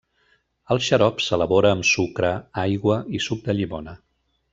El xarop s'elabora amb sucre, aigua i suc de llimona.